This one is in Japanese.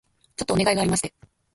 ちょっとお願いがありまして